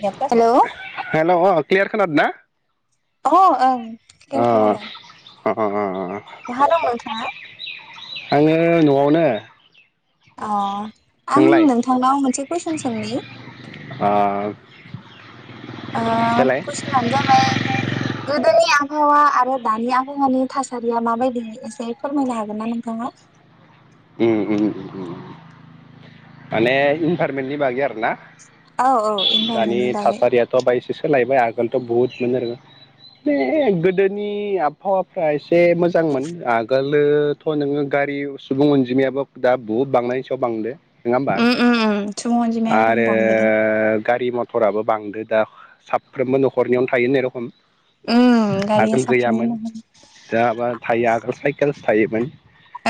[unintelligible] Hello hello अ clear खोनादों ना अ ओं अ क्लियार खोनादों अ अ बहा दं नोंथांआ आंङो नआवनो अ आं नोंलाय नोंथांनाव मोनसे कुइसन सोंनि अ [unintelligible] ओ देलाय कुइसनानो जाबाय गोदोनिया आबहावा आरो दानि आबहावानि थासारिया माबायदि एसे फोरमायनो हागोन ना नोंथाङा [unintelligible] माने इनभाइरमेन्टनि बागै आरो ना औ औ दानि इनभाइरमेन्टनि बागै थासारियाथ बाय लायबाय आगोलथ बहुत मोजां मोन बे गोदोनि आबहावाफ्रा एसे मोजांमोन आगोलोथ नोंङो गारि सुबुं अनजिमायाबो दा बुत बांनायनि सायाव बांदो। नोङा होमबा? उम उम उम सुबुं अनजिमायाबो बांबोदों आरो गारि मथ टराबो बांदो दा साफ्रोमबो न'खरनियावनो थायो होननाय रखम। उम आगोल गारिया गैयामोन साफ्रोमबो न'खराव दा बा थायो आगोल साइकेल थायोमोन।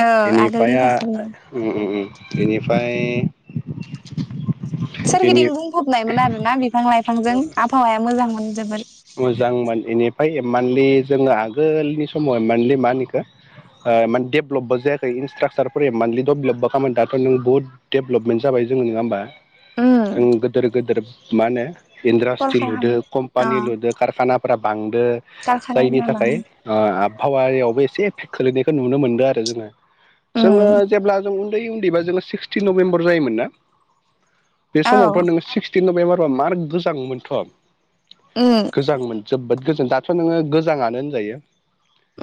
औ बेनिफाय आगोलनि आ थासारिया उम उम बेनिफाय सोरगिदिं बुंफबनायमोन आरो ना बिफां लाइफांजों आबहावाया मोजांमोन जोबोर। मोजांमोन एनिफाय मान्थलि जोङो आगोलनि समाव मान्थलि मा होनखो ओ इमान देभेलपबो जायाखै इनस्ट्राकसारफोर इमान [unintelligible] दाथ' नों बुहुत देभेलपमेन्ट जाबाय जोङो नङा होमबा? उम जों गोदोर गोदोर मा होनो इन्ड्रास्ट्रि लुदो कलकारखाना अ कम्पानि लु खानाफोरा बांदो जायनि कारखानानिफ्राय थाखाय बाङो ओ आब फावायावबो एसे एफेक्ट खोलैनायखौ नुनो मोनदों आरो जोङो। जोङो उम जेब्ला जों उ उन्दै उन्दैबा जोङो सिक्सटिन नभेम्बर जायोमोन ना? बे औ समावथ' नोङो सिक्सटिन नभेम्बर फोराव मार गोजाङोमोनथ'। उम गोजाङोमोन जोबोद गोजां दाथ' नोङो गोजाङानो होनजायो।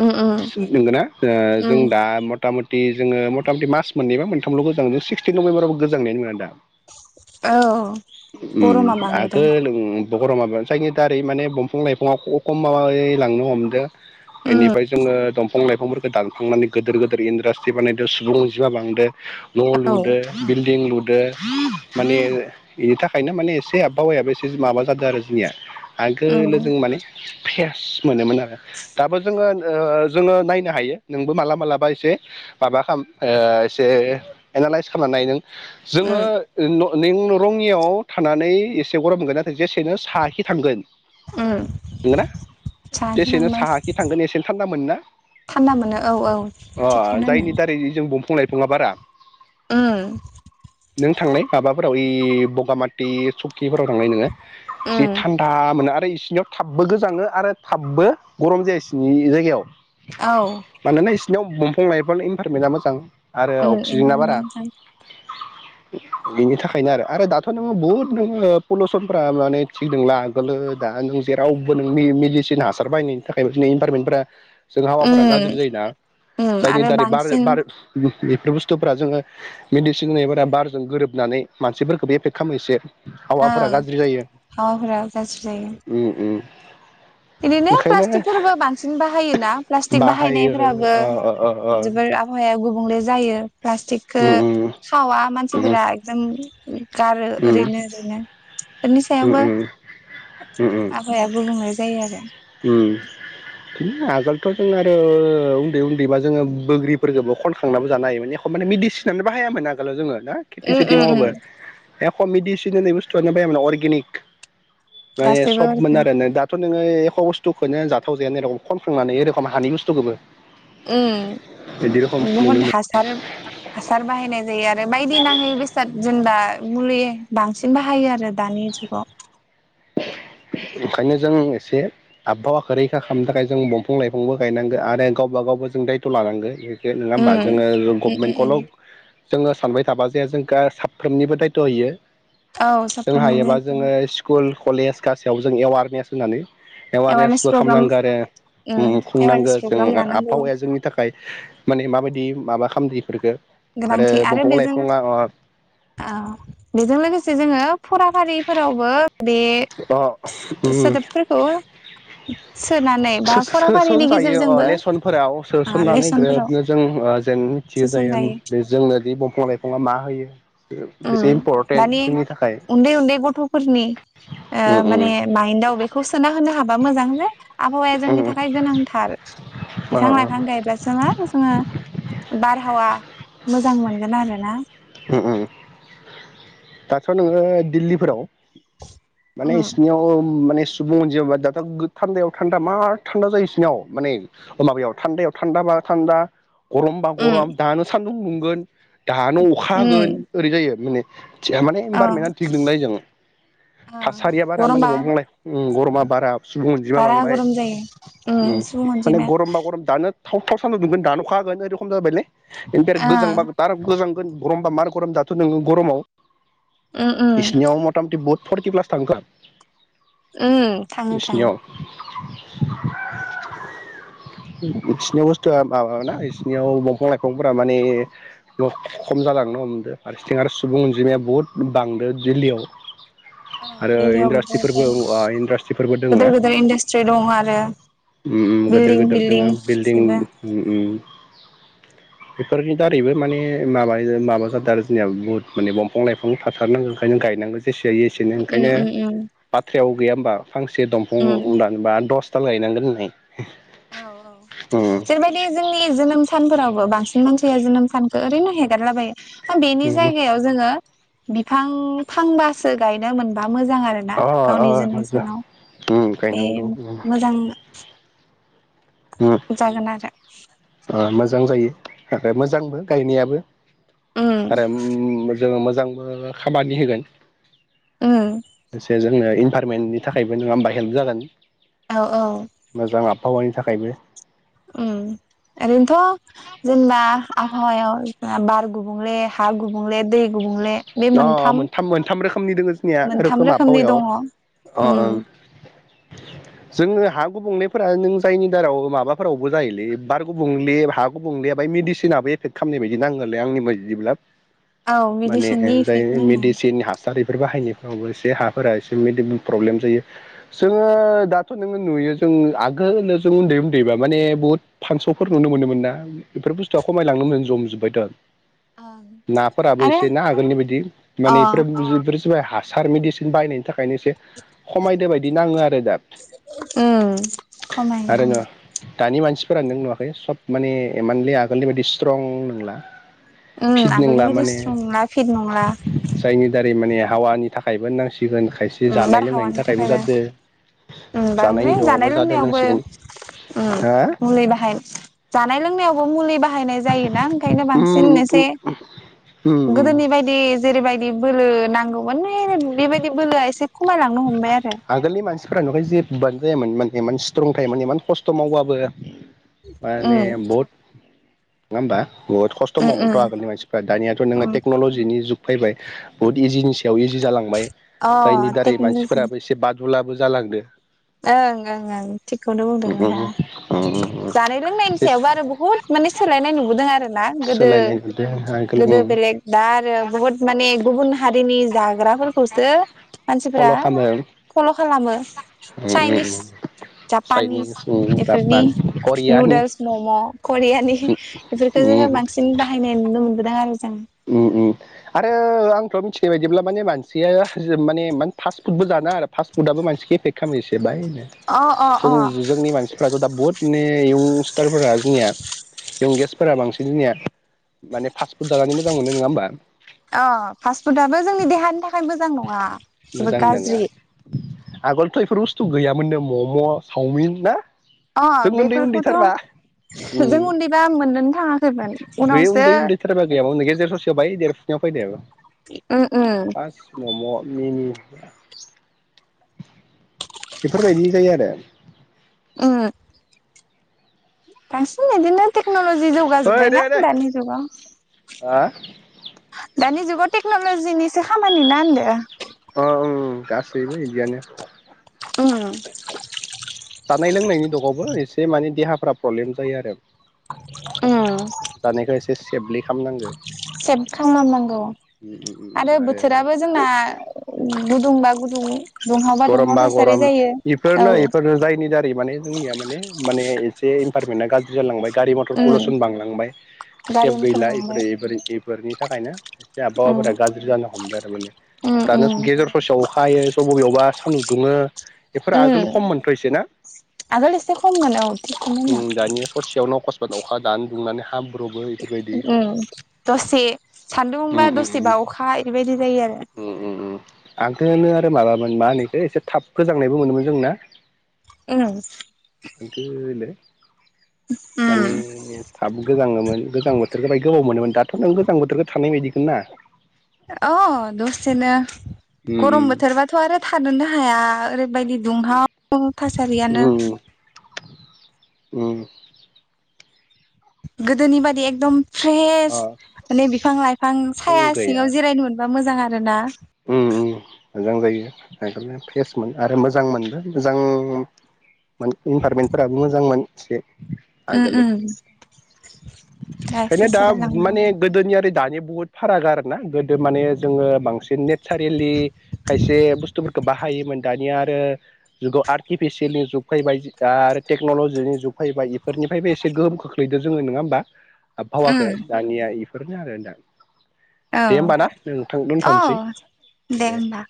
उम उम नोंगोना ओ उम जों दा मथा मथ थि जोङो मथा मथि मास मोन्नैबा मोनथामल' गोजांङो जों सिक्सटिन नभेम्बरबाबो गोजांनायानो नोङा दा। औ गरमा उम बांबोदों आगोल उम गरमाबो [unintelligible] रै माने बंफां लाइफङा ख-ख-खमायलांनो हमदो उम बेनिफाय जोङो दंफां लाइफांफोरखौ दानखांनानै गोदोर गोदोर इन्डासट्रि बानायदो सुबुं अनजिमा बांदो न' औ लुदो बिल्डिं लु दो माने इनि थाखायनो माने एसे आबहावायाबो एसे माबा जादो आरो जोंनिया। आगोलो उम जों माने फेस मोनोमोन आरो। दाबो जोङो ओ जोङो नायनो हायो नोंबो माला मालाबा एसे माबा खाम ओ एसे एनालाइस खालामना नाय नों। जोङो उम नै उनाव रङियाव थानानै एसे गरम मोनगोन नाथाय जेसेनो साहाखि थांगोन उम। नंगोना साहाथिं जेसेनो थांबाय साहाखि थांगोन एसेनो थान्दा मोनो ना? थान्दा मोनो औ औ अ थिगखौनो होनदों जायनि दारै जों बंफां लाइफाङा बारा। ओम। नों थांनाय माबाफोराव ओइ बगामाथि सकिफोराव थांनाय नोङो जि उम थान्दा आरो इसिनियाव थाबबो गोजाङो आरो थाबबो गरम जाया इसिनि जायगायाव। औ मानोना इसिनियाव बंफां लाइफांनि इन्भारमेन्टआ मोजां। आरो उम अक्सिजेना बारा। ओमफ्राय [inaudible] बेनि थाखायनो आरो आरो दाथ' नोङो बुहुद नोङो पलुसनफ्रा माने थिग नोंला गोलो दा नों जेरावबो नोंनि मिडिसिन हासार बाहायनायनि थाखाय माने इन्भारमेन्टफोरा जों हावाफोरा गाज्रि उम जायोना उम जायनि आरो दारै बार बांसिन बार बेफोर बुस्थुफ्रा जोङो मेडिसिन होनायफोरा बारजों गोरोबनानै मानसिफोरखौबो एफेक्ट खालामो एसे। औ हावाफोरा गाज्रि जायो हावाफोरा गाज्रि जायो। उम। बिदिनो प्लास्टिकफोरबो बांसिन बाहायोना प्लास्टिक बाहायो बाहायनायफोराबो अ अ अ अ जोबोर आबहावाया गुबुं ले जायो प्लास्टिकखौ उम उम खावा उम मानसिफोरा एकदम गारो उम उम ओरैनो ओरैनो बेनि सायावबो उम उम आबहावाया गुबुंले जायो उम आगोलथ' जों आरो उन्दै उन्दैबा जोङो बोग्रिफोरखौबो खनखांनाबो जानो हायोमोन एख' माने मेडिसिनानो बाहायामोन आगोलाव जोङो। दा खेथि सेथि आरो मावबा एख' मेडिसिन होन्नाय बस्थुआनो बाहायामोन अरगेनिक माने गासैबो सबमोन आरो दाथ' नोङो एख' बुस्थुखौनो जाथावजाया होन्नाय रखम खनखांनानै ओइ रखम हानि बुस्थुखौबो बिदि रोखम उम नुनो मोनो बहुद हासार हासार बाहायनाय जायो आरो बायदि नाङै बेसाद जेनेबा मुलि बांसिन बाहायो आरो दा दानि जुगाव ओंखायनो जों एसे आबहावाखौ रैखा खालामनो थाखाय जों दंफां लाइफांबो गायनांगो आरो गावबा गाव खौबो जों दायथ' लानांगो इखो नङा होमबा जोङो गभमेन्टखौल' जोङो सानबाय थाबा जे जोंखो साफ्रोमनिबो दायथ' इयो औ जों हायोबा साफ्रोमनिबो जोङो स्कुल कलेज गासैयाव जों एवारनेस होनानै एवारनेस एवारनेसबो प्रग्राम खामनांगौ आरो एवारनेस खुंनांगो जों प्रग्राम लानांगौ आबहावाया जोंनि थाखाय माने माबायदि माबा खामदि इफोरखौ आरो दंफां लाइफांआ औ बेजों लोगोसे जोङो फराफारिफोरावबो बे अ उम सोदोबफोरखौ सोनानै बा फराफारिनि सोसनजायो अ गेजेरजोंबो लेसनफोराव सोसननानै लेसनफोराव ग्रोबनो जों ओ जेन मिथियो जायो सोसनजायो बे जोंनो दि बंफां लाइफाङा मा होयो उ बेसे इम्परटेन्ट दानि जोंनि थाखाय उन्दै उन्दै गथ'फोरनि उम उम माने माइन्दआव बेखौ सोना होनो हाबा मोजां जे आबहावाया जोंनि उम थाखाय गोनांथार अ बिफां अ लाइफां गायब्लासो जोङो बारहावा मोजां मोनगोन आरो ना उम उम दाथ' नोङो दिल्लीफोराव माने उम इसिनियाव माने [inaudible] थान्दा गरमबा औ गरम दानो सान्दुं दुंगोन दानो अखा होगोन ओरै जायो माने [unintelligible] मा ओं बारा ओं गरमा सुबुं अनजिबा बारा बांबाय गरम जायो उम सुबुं माने अनजिमाया गरमबा गरम दानो ओं [unintelligible] गरमबा मार गरम दाथ नोङो गरमाव उम उम इसिनियाव मथामथि बहुत फर्टि प्लास थांगोन उ थाङो थाङो बिसिनियाव फिसिनियाव बुस्थुआ माबाना इसिनियाव दंफां लाइफांफोरा माने द खम जा लांनो हमदो फारसेथिं आरो सुबुं अनजिमाया बहुत बांदो दिल्लीयाव औ आरो दिल्लीयाव इन्डास्ट्रिफोरबो बहुद उआ इन्डास्ट्रिफोरबो गोदोर दोङो गोदोर इन्डास्ट्रि दङ आरो गोदोर बिल्डिं गोदोर बिल्डिं दोङो बिल्डिं उ गासिबो उम बेफोरनि दारैबो माने माबा माबा जादों जोंनिया मुत माने फं लाइफां थाथारनांगौ ओंखायनो गायनांगौ जेसे जायो एसेनो उम ओंखायनो उम उम बाथ्रायाव गैया होमबा फांसे उम दंफां दानबा दसथा लायनांगोन होनाय औ औ जेरैबायदि जोंनि जोनोम सानफोरावबो बांसिन मानसिया जोनोम सानखौ ओरैनो हेगारलाबायो हा बेनि जायगायाव जोङो बिफां फांबासो गायनो मोनबा मोजां आरोना अ अ गावनि जोनोम मोजां सानाव उम बे गायनांगौ उम मोजां उम जागोन आरो मोजां जायो थाखाय मोजांबो गायनायाबो उम आरो ओम जोङो मोजांबो खामानि होगोन उम एसे जोंनो इनभारमेन्टनि थाखायबो नोङा होमबा हेल्प जागोन औ औ फावानि थाखायबो उ ओरैनोथ जेनेबा आबहावायाव बार गुबुंले हा गुबुंले दै गुबुंले अ मोनथाम मोनथाम रोखोमनि दोङो जोंनिया मोनथाम रोखोम रोखोमनि दङ आबहावायाव अ उम ओं [inaudible] जोङो हा गुबुंलेफोरा नों जायनि दाराव माबाफोरावबो जायोलै बार गुबुंले हा गुबुंले बा मेडिसिनाबो एफेक्ट खामनाय बायदि नाङोलै आंनि बायदिब्ला औ माने मिडिसिन जाय मेडिसिन हास सारफोर बाहायनायफ्रावबो एसे हाफोरा एसे इबादि प्रब्लेम जायो जोङो दाथ' नोङो नुयो। जों आगोलनो जों उन्दै उन्दैबा माने बहुत फानसौफोर नुनो मोनोमोन ना बेफोर बुस्थुआ खमाय लांनो जमजोबबायथ नाफोराबो आरो एसे ना आगोलनि बायदि माने अ बेफोर जाय हासार मेदिसिन बायनायनि थाखायनो एसे खमायदो बाय उम खमाय आरो न खमाय। दानि मानसिफोरा नों नुवाखै सब माने इमानलि आगोलनि बायदि स्ट्रं नंला। उम फिट आगोलनि नंला बायदि माने। स्ट्रं नंला फिट नंला जायनि दारै माने हावानि थाखायबो होनां सिगोन खायसे उम जानाय लोंनायनि बारहावानि थाखायबो जादों। बांद्राय जानाय लोंनायावबो उम हा मुलि बाहाय जानाय लोंनायावबो मुलि बाहा बाहायनाय जायोना ओंखायनो बांसिन उम इसे उम उम उम गोदोनि बायदि। जेरै बायदि बोलो नांगौमोन बेबायदि बोलोआ एसे खमायलांनो हमबाय आरो। फ्राव [unintelligible] गाज्रि इमान खस्थ मावब्लाबो [inaudible] माने उम बहुत नङा होमबा। बहुत खस्थ' उम मावोमोनथ' आगोलनि मानसिफ्रा दानियाथ' नोङो उम टेकनलजिनि जुग। फैबाय बहुद इजिनि सायाव इजि जालांबाय अ जायनि दारै मानसिफोरा। टेक्न'लजि दुलाबो जालांदो। ओं ओं ओं थिगखौनो बुंदों नोंथाङा एसे जानाय लोंनायनि सायावबो आरो बुहुत माने सोलायनाय नुबोदों आरो। ना गोदो सोलायनाय नुदों गोदो आगोलनि बेलेग दा आरो बहुत माने। गुबुन हारिनि जाग्रा फोरखौसो मानसिफ्रा फल' फल खालामो। उम चाइनिस उम जापानिस इफोरनि करियान नुदोलस मम' करियानि बांसिन बाहायनाय नुनो मोनबो उम उम आरो आं मिथिनाय बायदिब्ला माने मानसिया माने इमान फास्ट फुदबो जाना आरो फास्ट फुदाबो मानसिखौ एफेक्ट खालामो बाय। अ अ अ जों जोंनि मानसिफ्राथ' दा बुहुत माने इयंस्टारफोरा जोंनिया [inaudible] यंगेस्टफोरा बांसिन जोंनिया माने फास्ट फुड जानानै मोजां मोनो नङा होमबा‌? अ फास्ट फुदआबो जों मोजां नङा आगोलथ' बेफोर बुस्थु गैयामोननो मम' सावमिन ना अ जों उन्दै उन्दै बेफोरखौथ' थारबा उम जों उन्दैबा मोननोनो थाङाखैमोन बे उनावसो उन्दै उन्दैथारबा गैयामोन गेजेर ससे बाय देरफुनायाव फैदों। उम उम [inaudible] बेफोर बायदि जायो आरो। उम बांसिन बिदिनो टेक्न'लजि जौगा ओइ जोब्बायना दे दे दानि जुगाव। [inaudible] दानि जुगाव टेक्न'लजिनिसो खामानि ना होनदो अ औ औ गासैबो बिदियानो। उम जानाय लोंनायनि दगावबो एसे माने देहाफ्रा प्रब्लेम जायो आरो। उम जानायखौ एसे सेबलि खामनांगो। सेभ खालामनांगौ आरो बोथोराबो जोंना गुदुंबा गुदुं दुंहावबा गरम दुंहाव बा थासारि गरम जायो औ बेफोरनो एफोरनो जायनि दारै माने जोंनिया माने माने एसे इनभारमेन्टआ गाज्रि जालांबाय। गारि मटर उम पलुसन बांलांबाय सेफ गारि मथर गैला बांबाय एफोर-एफोर एफोरनि थाखायनो उम आबहावाफोरा गाज्रि जानो हमदों आरो माने उम दानो उम गेजेर ससेयाव अखा हायो। स' बबेयावबा सान्दुं दुङो बेफोर उम आगोल खममोनथ' इसे ना? आगोल एसे खममोन औ थिगखौनो उम होनदों दानिया ससेयाव अखा अखा द दुंनानै हा ब उ दसे सान्दुंबा उम उम दसेबा अखा ओरैबायदि जायो आरो। आंथो होनो आरो माबामोन मा होनो एखो एसे थाब गोजांनायबो मोनोमोन जोंना? उम एखलो [unintelligible] माने उम थाब गोजाङोमोन। गोजां बोथोरखौ बाय गोबाव मोनोमोन दाथ' नों गोजां बोथोरखौ थानाय बायदिखोनो ना अ दसेनो गरम उम बोथोरबाथ' आरो थादोननो हाया ओरैबायदि दुंहाव सारियानो उम उम उम गोदोनि बादि एकदम अ फ्रेस माने बिफां लाइफ आं जों साया गैया सिङाव जिरायनो मोनबा मोजां आरो ना। आगोलना फ्रेस मोन आरो मोजां मोनबो मोजां मोन इनभारमेन्टफोराबो मोजांमोन से उम आगोल उम ओखायनो एसे दा सोलायलांदों माने गोदोनि आरो दानि बुहुद फाराग आर ना गोदो माने जोङो बांसिन नेचारेलि खायसे बुस्थुफोरखौ बाहायोमोन। दानिया आरो जुगाव आर्टिफिसियेलनि जुग फैबाय आरो टेक्न'लजिनि जुग फैबाय इफोरनि फायबो एसे गोहोम खोख्लैदों जोङो नङा होमबा? आबहावाखौ उम दानिया बेफोरनो आरो दां औ दे होमबा ना जों नोंथां औ दोनथ'नोसै? दे होनोमबा।